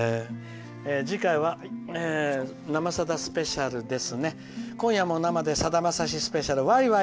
次回は「生さだスペシャル」です。